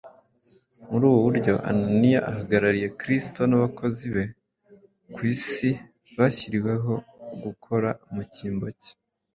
Muri ubu buryo Ananiya ahagarariye Kristo n’abakozi be ku isi bashyiriweho gukora mu cyimbo cye.